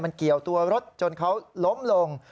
มันเกี่ยวตัวรถจนเขาล้มลง